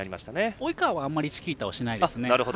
及川はあまりチキータをしないですね。